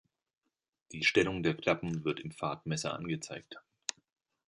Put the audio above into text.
Die Stellung der Klappen wird im Fahrtmesser angezeigt.